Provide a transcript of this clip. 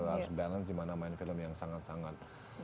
harus balance gimana main film yang sangat sangat